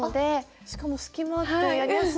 しかも隙間あってやりやすい。